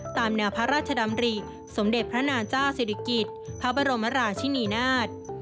ตามแนวพระราชดำริสมเด็จพระนางเจ้าศิริกิจพระบรมราชินีนาฏ